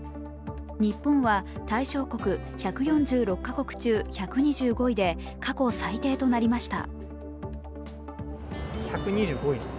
日本は対象国１４６か国中１２５位で過去最低となりました。